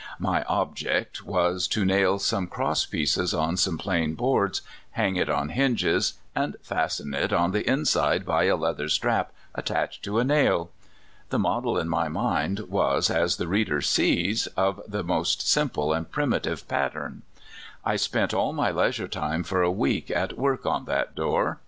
My object was to nail some cross pieces on some plain boards, hang it on hinges, and fasten it on the inside by a leather strap attached to a nail. The model in my mind was, as the reader sees, of the most simple and primitive pattern. I spent all my leisure time for a week at work on that door.